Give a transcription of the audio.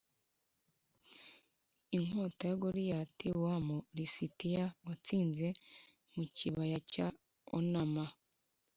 inkota ya Goliyatik wa Mu lisitiya watsinze mu kibaya cya onama